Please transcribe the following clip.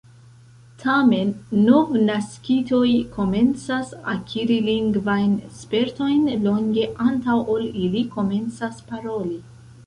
Tamen, novnaskitoj komencas akiri lingvajn spertojn longe antaŭ ol ili komencas paroli.